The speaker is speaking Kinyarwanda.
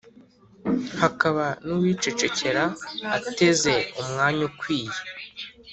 hakaba n’uwicecekera ateze umwanya ukwiye.